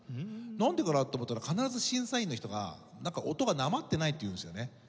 なんでかな？って思ったら必ず審査員の人がなんか音が訛ってないって言うんですよね。